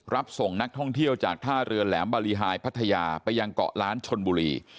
รับส่งนักท่องเที่ยวจากท่าเรือแหลมบารีไฮพัทยาไปยังเกาะล้านชนบุรี